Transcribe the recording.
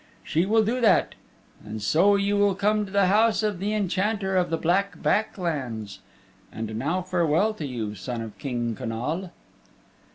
She will do that, and so you will come to the House of the Enchanter of the Black Back Lands. And now farewell to you, Son of King Connal."